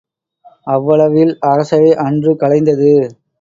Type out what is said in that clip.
அவ்வளவில் அரசவை அன்று கலைந்தது.